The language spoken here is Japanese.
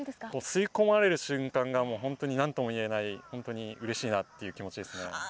吸い込まれる瞬間が本当になんともいえないうれしいなという気持ちですね。